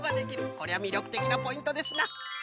こりゃみりょくてきなポイントですな。